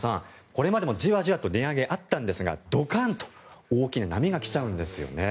これまでも、じわじわと値上げ、あったんですがドカンと大きな波が来ちゃうんですよね。